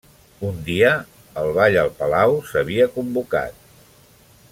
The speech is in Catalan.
Un dia el ball al palau s'havia convocat.